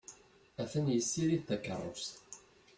Atan yessirid takeṛṛust.